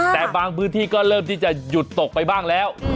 แต่บางพื้นที่ก็เริ่มที่จะหยุดตกไปบ้างแล้ว